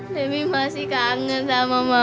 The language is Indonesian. kami masih kangen sama mama